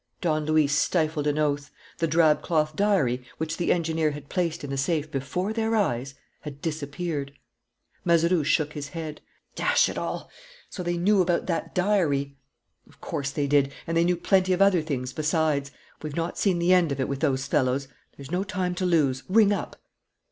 Don Luis stifled an oath. The drab cloth diary, which the engineer had placed in the safe before their eyes, had disappeared. Mazeroux shook his head. "Dash it all! So they knew about that diary!" "Of course they did; and they knew plenty of other things besides. We've not seen the end of it with those fellows. There's no time to lose. Ring up!"